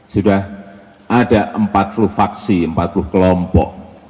sudah ada empat puluh faksi empat puluh kelompok